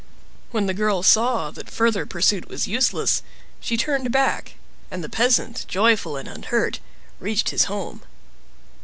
When the girl saw that further pursuit was useless, she turned back, and the peasant, joyful and unhurt, reached his home.